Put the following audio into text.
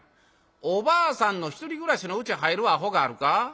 おばあさんのひとり暮らしのうち入るアホがあるか？」。